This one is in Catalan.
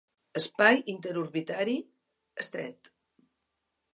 Espai interorbitari estret.